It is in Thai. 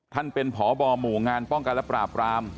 ท่านเป็นพบหมู่งานป้องกันและปราบราม